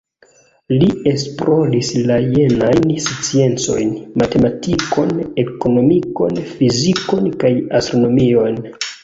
Li esploris la jenajn sciencojn: matematikon, ekonomikon, fizikon kaj astronomion.